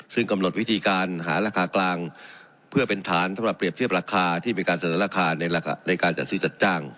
ซึ่งกำหนดวิธีการหาราคากลางเพื่อเป็นฐานสำหรับเปรียบเทียบราคาที่มีการเสนอราคาในการจัดซื้อจัดจ้าง